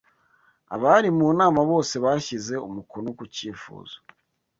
Abari mu nama bose bashyize umukono ku cyifuzo.